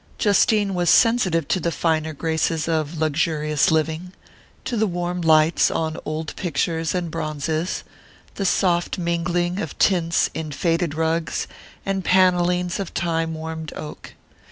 Justine was sensitive to the finer graces of luxurious living, to the warm lights on old pictures and bronzes, the soft mingling of tints in faded rugs and panellings of time warmed oak.